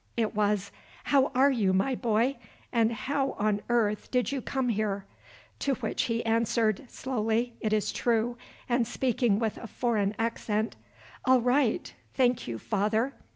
It was, "How are you, my boy, and how on earth did you come here?" to which he answered, slowly, it is true, and speaking with a foreign accent: "All right, thank you, father.